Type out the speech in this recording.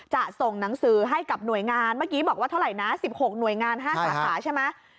จะส่งหนังสือให้กับหน่วยงานเมื่อกี้บอกว่าเท่าไหร่นะ๑๖หน่วยงาน๕สาขาใช่ไหม